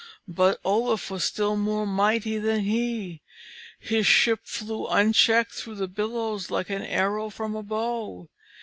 But Oluf was still more mighty than he; his ship flew unchecked through the billows like an arrow from a bow.